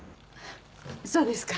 そうですか